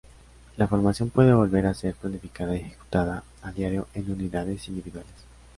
La formación puede volver a ser planificada y ejecutada a diario en unidades individuales.